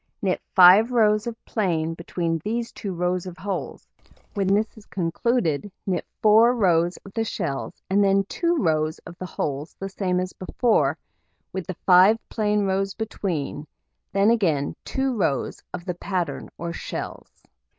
Knit 5 rows of plain between these 2 rows of holes; when this is concluded, knit 4 rows of the shells, and then 2 rows of the holes the same as before, with the 5 plain rows between, then again 2 rows of the pattern or shells.